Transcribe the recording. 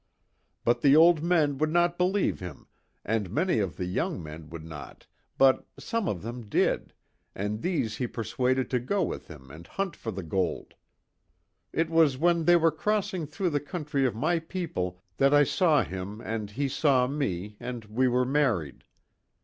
But the old men would not believe him and many of the young men would not, but some of them did, and these he persuaded to go with him and hunt for the gold. It was when they were crossing through the country of my people that I saw him and he saw me and we were married.